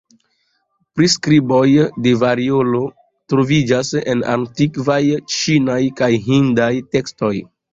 Priskriboj de variolo troviĝas en antikvaj ĉinaj kaj hindaj tekstoj.